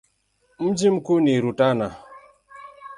Mji mkuu ni Rutana.